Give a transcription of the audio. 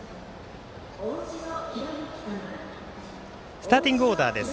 スターティングオーダーです。